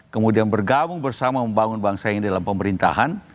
kemudian bergabung bersama membangun bangsa ini dalam pemerintahan